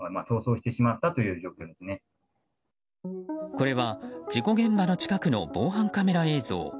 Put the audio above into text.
これは事故現場の近くの防犯カメラ映像。